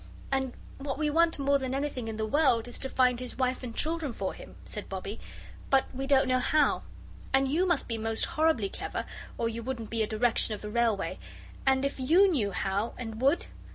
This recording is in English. "And what we want more than anything in the world is to find his wife and children for him," said Bobbie, "but we don't know how. But you must be most horribly clever, or you wouldn't be a Direction of the Railway. And if YOU knew how and would?